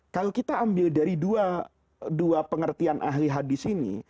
kalau kita ambil dari dua pengertian ahli hadis ini